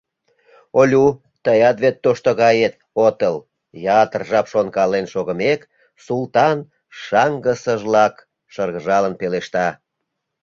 — Олю, тыят вет тошто гает отыл, — ятыр жап шонкален шогымек, Султан шаҥгысыжлак шыргыжал пелешта.